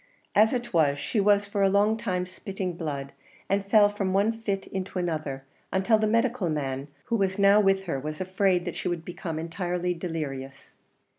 As it was, she was for a long time spitting blood, and fell from one fit into another, until the medical man who was now with her was afraid that she would become entirely delirious.